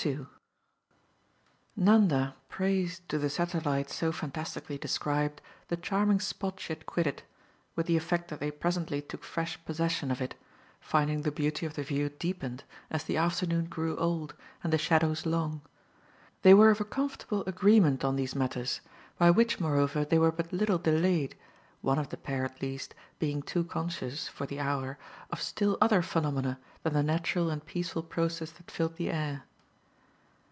II Nanda praised to the satellite so fantastically described the charming spot she had quitted, with the effect that they presently took fresh possession of it, finding the beauty of the view deepened as the afternoon grew old and the shadows long. They were of a comfortable agreement on these matters, by which moreover they were but little delayed, one of the pair at least being too conscious, for the hour, of still other phenomena than the natural and peaceful process that filled the air.